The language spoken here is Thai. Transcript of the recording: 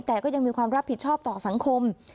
แต่ก็ยังมีความรับผิดชอบต่อสังคม